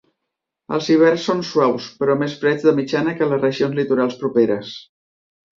Els hiverns són suaus, però més freds de mitjana que les regions litorals properes.